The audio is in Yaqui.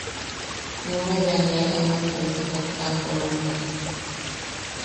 Numeʼe bea aman ne yeu tojak Kantorammake.